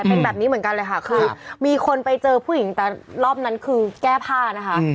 เป็นแบบนี้เหมือนกันเลยค่ะคือมีคนไปเจอผู้หญิงแต่รอบนั้นคือแก้ผ้านะคะ